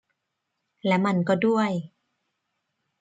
และมันก็ด้วย